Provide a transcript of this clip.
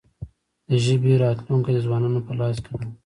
د ژبې راتلونکې د ځوانانو په لاس کې ده.